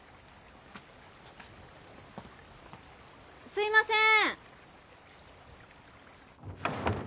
すいません。